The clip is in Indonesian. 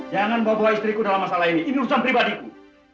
jangan bawa bawa istriku dalam masalah ini ini urusan pribadiku